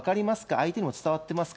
相手にも伝わってますか？